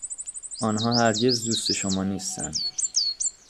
آنها هرگز دوست شما نیستند.